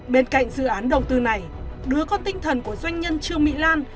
bên cạnh dự án đầu tư này đứa có tinh thần của doanh nhân trương mỹ lan